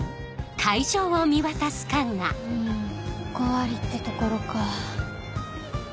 うん５割ってところか。